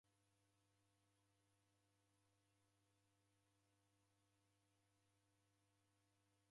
W'ew'eni ndew'ighoragha malagho ghaw'o.